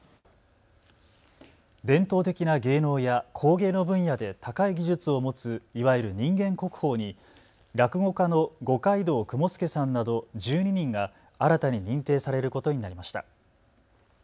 伝統的な芸能や工芸の分野で高い技術を持ついわゆる人間国宝に落語家の五街道雲助さんなど１２人が新たに認定されることになりました。